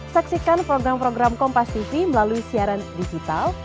saksikan program program kompastv melalui siaran digital